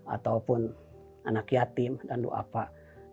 ataupun anak yatim dan doa pak